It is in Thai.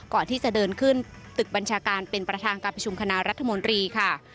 ก่อนที่จะเดินขึ้นตึกบัญชาการเป็นประธานการประชุมคณะรัฐมนตรีค่ะ